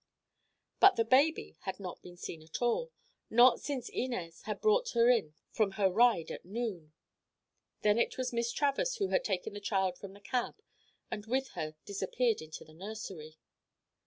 But the baby had not been seen at all; not since Inez had brought her in from her ride at noon. Then it was Miss Travers who had taken the child from the cab and with her disappeared into the nursery.